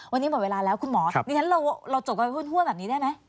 วันนี้หมดเวลาแล้วคุณหมอดิฉันเราจบกันไปทั่วแบบนี้ได้ไหม